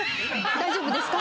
大丈夫ですか？